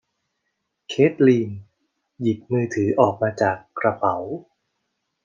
เคทลีนหยิบมือถือออกมาจากกระเป๋า